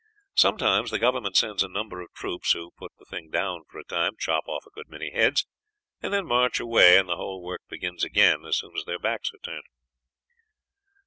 Sometimes the government sends a number of troops, who put the thing down for a time, chop off a good many heads, and then march away, and the whole work begins again as soon as their backs are turned."